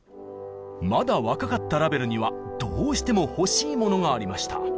まだ若かったラヴェルにはどうしても欲しいものがありました。